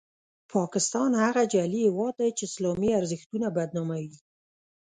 پاکستان هغه جعلي هیواد دی چې اسلامي ارزښتونه بدناموي.